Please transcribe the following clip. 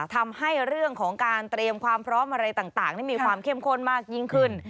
ทำให้เรื่องของการเตรียมความพร้อมอะไรต่างมีความเข้มข้นมากยิ่งขึ้น